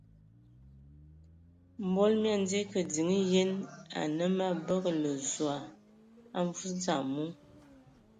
Mbol mii andzi kig din yen anǝ mə abǝgǝlǝ Zɔg a mvus dzam mu.